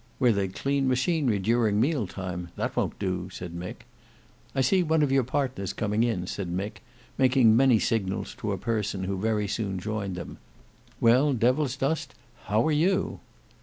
"Where they clean machinery during meal time; that won't do," said Mick. "I see one of your partners coming in," said Mick, making many signals to a person who very soon joined them. "Well, Devilsdust, how are you?"